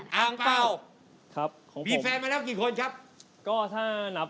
สวัสดีครับ